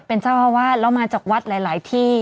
เป็นเจ้าอาวาสแล้วมาจากวัดหลายที่